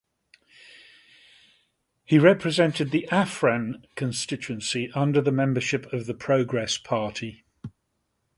He represented the Afram constituency under the membership of the Progress Party.